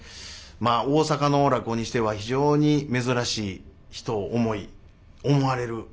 まあ大阪の落語にしては非常に珍しい人を思い思われる。